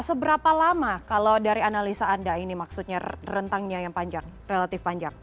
seberapa lama kalau dari analisa anda ini maksudnya rentangnya yang panjang relatif panjang